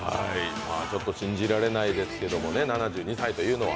ちょっと信じられないですけどね、７２歳というのは。